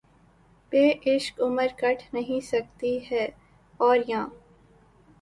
بے عشق عمر کٹ نہیں سکتی ہے‘ اور یاں